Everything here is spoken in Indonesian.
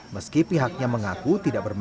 meski pihaknya mengaku tidak berhasil